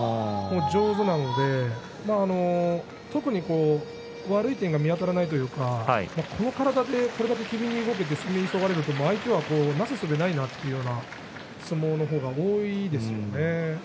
上手なので、特に悪い点が見当たらないというかこの体でこれだけ機敏に動けて攻め急がれると相手は、なすすべもないなという相撲が多いですね。